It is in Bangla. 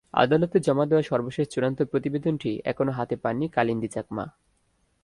আদালতে জমা দেওয়া সর্বশেষ চূড়ান্ত প্রতিবেদনটি এখনো হাতে পাননি কালিন্দী চাকমা।